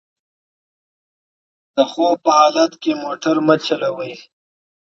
د خوب په حالت کې موټر مه چلوئ.